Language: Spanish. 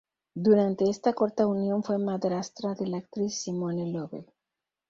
Durante esta corta unión fue madrastra de la actriz Simone Lovell.